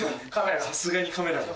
さすがにカメラが。